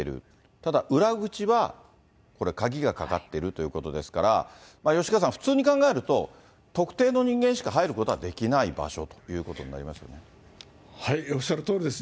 ただ、裏口はこれ、鍵がかかってるということですから、吉川さん、普通に考えると、特定の人間しか入ることはできない場所というこおっしゃるとおりです。